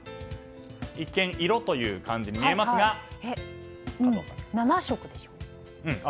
一見「色」という漢字に見えますが７色でしょうか。